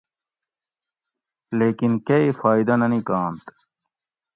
لیکن کئی فائیدہ نہ نِکانت